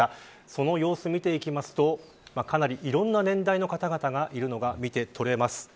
その様子を見ていきますとかなりいろんな年代の方々がいるのが見て取れます。